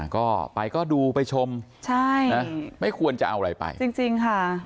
ก็ไปก็ดูไปชมใช่นะไม่ควรจะเอาอะไรไปจริงจริงค่ะ